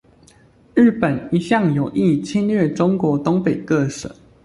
日本一向有意侵略中國東北各省